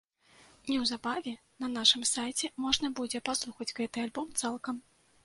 Неўзабаве на нашым сайце можна будзе паслухаць гэты альбом цалкам.